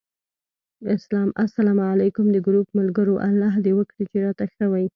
اسلام علیکم! د ګروپ ملګرو! الله دې وکړي چې راته ښه وی